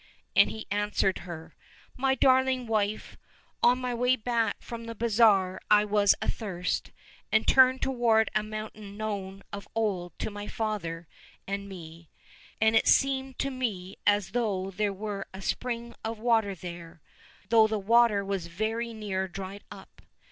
— And he answered her, " My darUng wife, on my way back from the bazaar I was athirst, and turned toward a mountain known of old to my father and me, and it seemed to me as though there were a spring of water there, though the water was very near dried up.